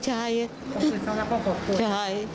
ใช่ค่ะ